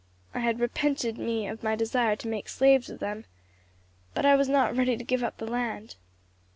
I had repented me of my desire to make slaves of them, but I was not ready to give up the land."